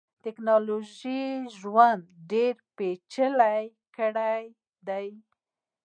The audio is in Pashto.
ټکنالوژۍ ژوند ډیر پېچلی کړیدی.